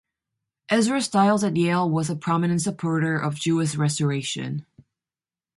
Ezra Stiles at Yale was a prominent supporter of Jewish restoration.